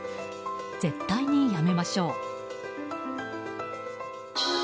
絶対にやめましょう。